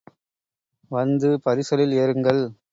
வந்து பரிசலில் ஏறுங்கள்.